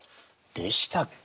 でしたっけ？